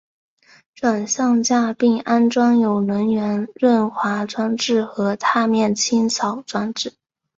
转向架并安装有轮缘润滑装置和踏面清扫装置。